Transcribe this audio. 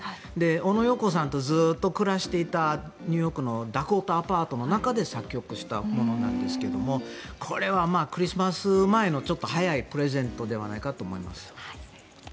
オノ・ヨーコさんとずっと暮らしていたニューヨークのダコタアパートの中で作曲したものなんですがこれはクリスマス前のちょっと早いプレゼントではないかと思います。